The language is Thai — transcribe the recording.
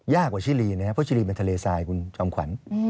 กว่าชิลีนะครับเพราะชิลีเป็นทะเลทรายคุณจอมขวัญ